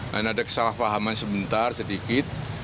dan ada kesalahpahaman sebentar sedikit